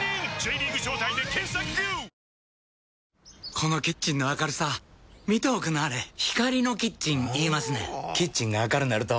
このキッチンの明るさ見ておくんなはれ光のキッチン言いますねんほぉキッチンが明るなると・・・